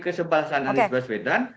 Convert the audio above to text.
kesebalasan anies baswedan